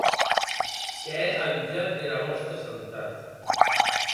Qu'è abusat dera vòsta santat.